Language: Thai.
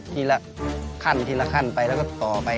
ขั้นทีละขั้นไปแล้วก็ต่อไป